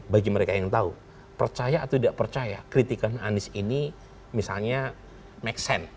bagi mereka yang tahu percaya atau tidak percaya kritikan anies ini misalnya make sense